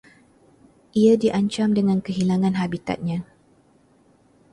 Ia diancam dengan kehilangan habitatnya